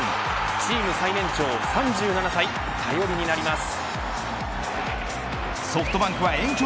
チーム最年長３７歳頼りになります。